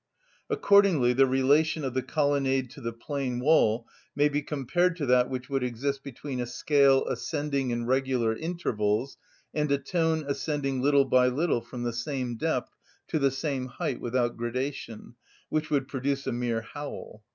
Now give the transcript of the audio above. Accordingly the relation of the colonnade to the plain wall may be compared to that which would exist between a scale ascending in regular intervals and a tone ascending little by little from the same depth to the same height without gradation, which would produce a mere howl.